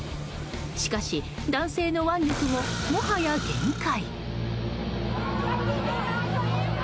しかし、男性の腕力ももはや限界。